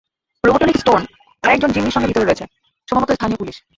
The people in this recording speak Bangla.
রোবটনিক স্টোন আর একজন জিম্মির সঙ্গে ভিতরে রয়েছে, সম্ভবত স্থানীয় পুলিশ।